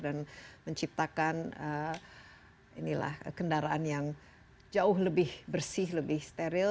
dan menciptakan kendaraan yang jauh lebih bersih lebih steril